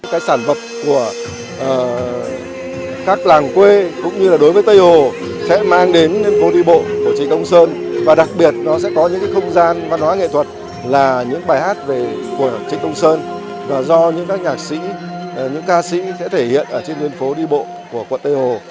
các sản phẩm của các làng quê cũng như đối với tây hồ sẽ mang đến nguyên phố đi bộ của trịnh công sơn và đặc biệt nó sẽ có những không gian văn hóa nghệ thuật là những bài hát của trịnh công sơn do những ca sĩ sẽ thể hiện trên nguyên phố đi bộ của quận tây hồ